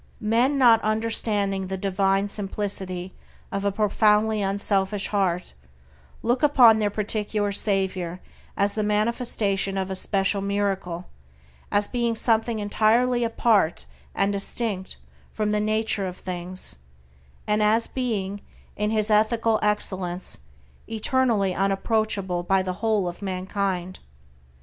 Men, not understanding the divine simplicity of a profoundly unselfish heart, look upon their particular savior as the manifestation of a special miracle, as being something entirely apart and distinct from the nature of things, and as being, in his ethical excellence, eternally unapproachable by the whole of mankind.